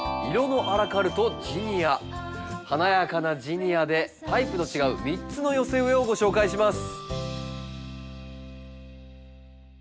華やかなジニアでタイプの違う３つの寄せ植えをご紹介します。